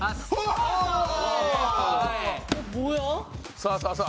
さあさあさあ